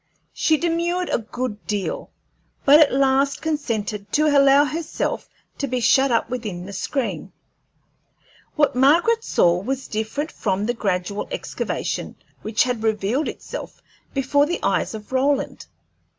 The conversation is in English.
She demurred a good deal, but at last consented to allow herself to be shut up within the screen. What Margaret saw was different from the gradual excavation which had revealed itself before the eyes of Roland.